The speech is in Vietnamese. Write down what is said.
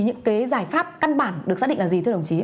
những giải pháp căn bản được xác định là gì